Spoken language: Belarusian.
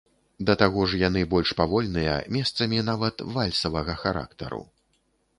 Да таго ж, яны больш павольныя, месцамі нават вальсавага характару.